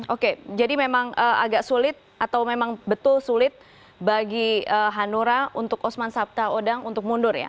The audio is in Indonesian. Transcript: oke jadi memang agak sulit atau memang betul sulit bagi hanora untuk usman sabtaodang untuk mundur ya